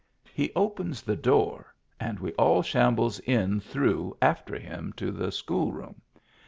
He opens the door and we all shambles in through after him to the school room.